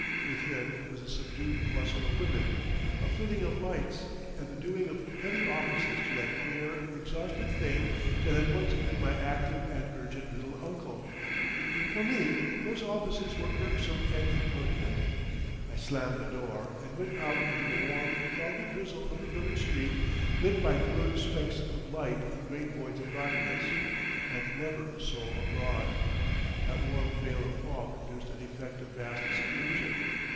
Within was a subdued bustle of women, a flitting of lights, and the doing of petty offices to that queer, exhausted thing that had once been my active and urgent little uncle. For me those offices were irksome and impertinent. I slammed the door, and went out into the warm, foggy drizzle of the village street lit by blurred specks of light in great voids of darkness, and never a soul abroad. That warm veil of fog produced an effect of vast seclusion.